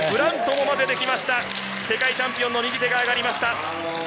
世界チャンピオンの右手が上がりました。